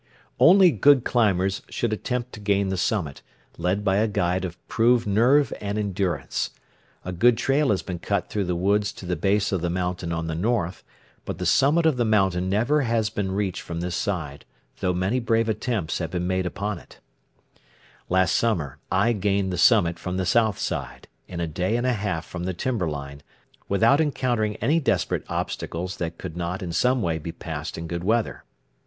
Only good climbers should attempt to gain the summit, led by a guide of proved nerve and endurance. A good trail has been cut through the woods to the base of the mountain on the north; but the summit of the mountain never has been reached from this side, though many brave attempts have been made upon it. [Illustration: MOUNT RAINIER FROM THE SODA SPRINGS] Last summer I gained the summit from the south side, in a day and a half from the timberline, without encountering any desperate obstacles that could not in some way be passed in good weather.